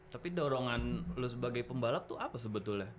tapi dorongan lo sebagai pembalap tuh apa sebetulnya